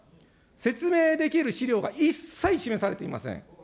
説明できる資料が一切示されていません。